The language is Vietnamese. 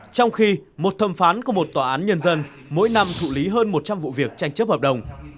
trong khi một thẩm phán của một tòa án nhân dân mỗi năm thụ lý hơn một trăm linh vụ việc tranh chấp hợp đồng